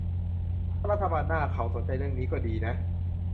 ถ้ารัฐบาลหน้าเขาสนใจเรื่องนี้ก็ดีนะ